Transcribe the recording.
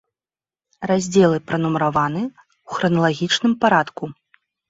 Раздзелы пранумараваны ў храналагічным парадку.